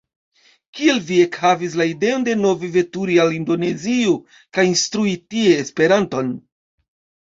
Kiel vi ekhavis la ideon denove veturi al Indonezio kaj instrui tie Esperanton?